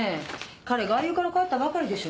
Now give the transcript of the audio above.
彼外遊から帰ったばかりでしょ？